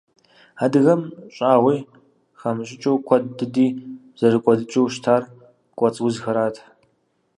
Адыгэм щӏагъуи хамыщӏыкӏыу, куэд дыди зэрыкӏуэдыкӏыу щытар кӏуэцӏ узхэрат.